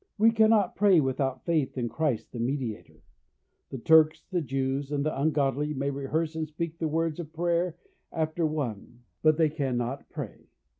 We cannot pray without faith in Christ the Mediator. The Turks, the Jews, and the ungodly may rehearse and speak the words of prayer after one, but they cannot pray.